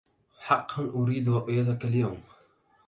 حقا أريد رؤيتك اليوم.